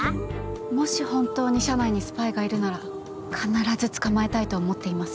もし本当に社内にスパイがいるなら必ず捕まえたいと思っています。